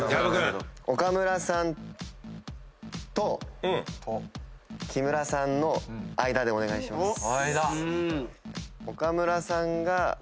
岡村さんと木村さんの間でお願いします。